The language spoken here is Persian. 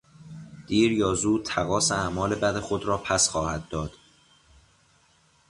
دیر یا زود تقاص اعمال بد خود را پس خواهد داد.